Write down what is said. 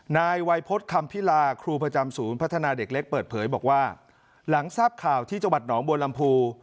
นายวัยพฤษคำพิลาครูประจำศูนย์พัฒนาเด็กเล็กเปิดเผยบอกว่าหลังทราบข่าวที่จังหวัดหนองบัวลำพู